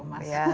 ali kerbau mas